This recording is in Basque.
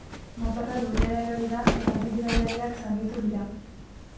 Motorra lurrera erori da, eta bi bidaiariak zauritu dira.